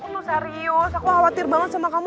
lo serius aku khawatir banget sama kamu